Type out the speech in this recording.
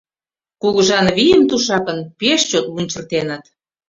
Кугыжан вийым тушакын пеш чот лунчыртеныт.